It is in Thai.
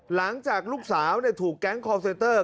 หลังจากลูกสาวถูกแก๊งคอลเซนเตอร์